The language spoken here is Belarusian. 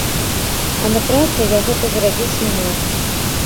А на працы я гэта зрабіць не мог.